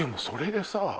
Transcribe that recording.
それでさ